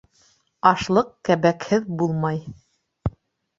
Ашлыҡ кәбәкһеҙ булмай.